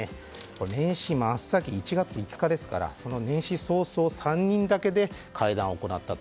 年始１月１日ですから年始早々３人だけで会談を行ったと。